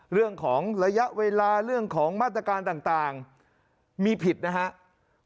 เรื่องของระยะเวลาเรื่องของมาตรการต่างมีผิดนะครับ